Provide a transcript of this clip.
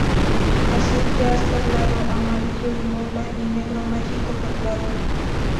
Azul Jazz perlado, Amarillo Imola, y Negro Mágico perlado.